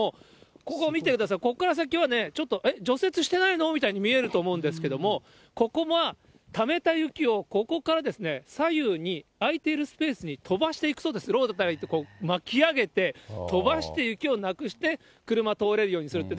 ここ、見てください、ここから先はね、ちょっと、除雪してないみたいに見えると思うんですけども、ここがためた雪を、ここから左右にあいているスペースに飛ばしていく、まきあげて、飛ばして雪をなくして車通れるようにするっていう。